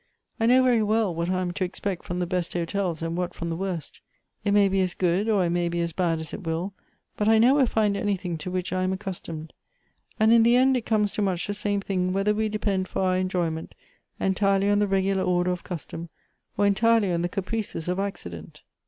I know very well what I am to expect from the best hotels, and what from the worst. It may be as good or it may be as bad as it will, but I nowhere find anything to which I am accustomed, and in the end it comes to much the same thing whether we depend for our enjoy ment entirely on the regular order of custom, or entirely on the caprices of accident.